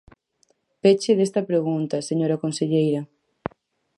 Peche desta pregunta, señora conselleira.